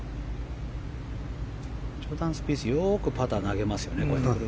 ジョーダン・スピースよくパター投げますよね。